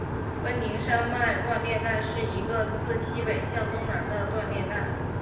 奔宁山脉断裂带是一个自西北向东南的断裂带。